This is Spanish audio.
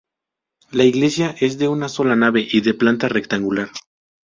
La iglesia es de una sola nave y de planta rectangular.